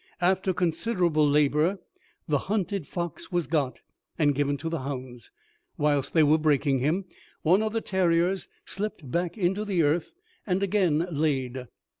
After considerable labour, the hunted fox was got, and given to the hounds; whilst they were breaking him, one of the terriers slipped back into the earth, and again laid.